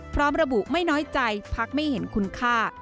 พร้อมระบุไม่น้อยใจพักไม่เห็นคุณค่า